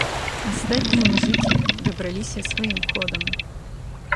Астатнія музыкі дабіраліся сваім ходам.